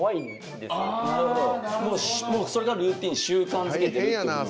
それがルーティン習慣づけてるってこと。